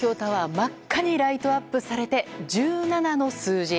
真っ赤にライトアップされて１７の数字。